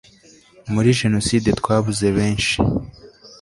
muri jenoside twabuze benshi